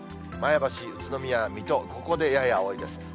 前橋、宇都宮、水戸、ここでやや多いです。